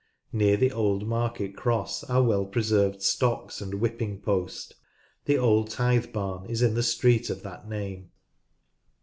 Near the old market cross are well preserved stocks and whipping post. The old tithe barn is in the street of that name.